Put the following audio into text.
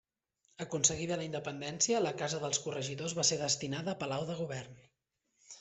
Aconseguida la Independència, la Casa dels Corregidors va ser destinada a Palau de Govern.